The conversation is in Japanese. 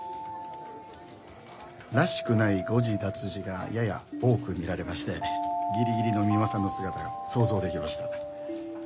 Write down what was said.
らしくない誤字脱字がやや多く見られましてギリギリの三馬さんの姿が想像できました。